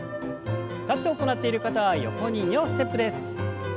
立って行っている方は横に２歩ステップです。